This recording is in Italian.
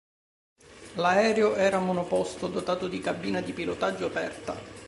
L'aereo era monoposto dotato di cabina di pilotaggio aperta.